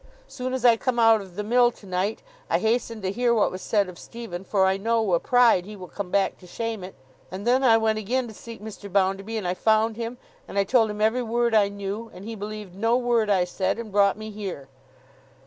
Soon as I come out of the Mill to night, I hastened to hear what was said of Stephen—for I know wi' pride he will come back to shame it!—and then I went again to seek Mr. Bounderby, and I found him, and I told him every word I knew; and he believed no word I said, and brought me here.